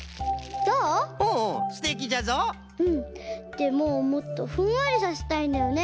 でももっとふんわりさせたいんだよね。